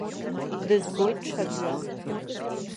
Дызбоит ҽаӡәы.